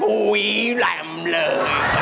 อุ๊ยลำเหลือ